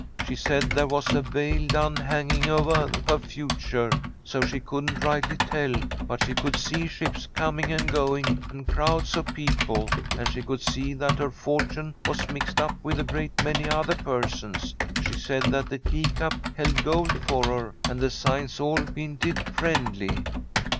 She said there was a veil done hanging ovah her future, so she couldn't rightly tell, but she could see ships coming and going and crowds of people, and she could see that her fortune was mixed up with a great many other persons. She said that the teacup held gold for her, and the signs all 'pinted friendly.'"